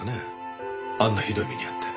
あんなひどい目に遭って。